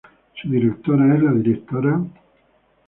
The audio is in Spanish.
Su directora es la Dra.